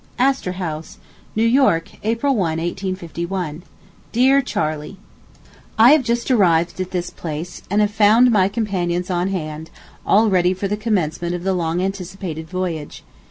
ASTOR HOUSE, NEW YORK, April 1, 1851. DEAR CHARLEY: I have just arrived at this place, and have found my companions on hand, all ready for the commencement of the long anticipated voyage.